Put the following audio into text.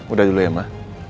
udah dulu ya ma